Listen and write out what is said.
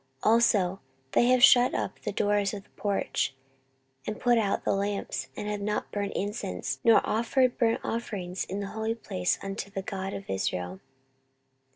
14:029:007 Also they have shut up the doors of the porch, and put out the lamps, and have not burned incense nor offered burnt offerings in the holy place unto the God of Israel.